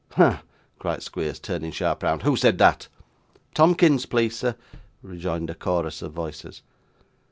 'Ha!' cried Squeers, turning sharp round. 'Who said that?' 'Tomkins, please sir,' rejoined a chorus of voices.